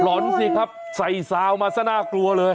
รอนสิครับใส่ซาวมาซะน่ากลัวเลย